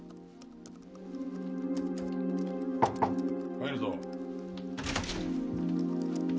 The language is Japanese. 入るぞ。